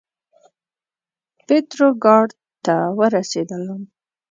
پتروګراډ ته ورسېدلم.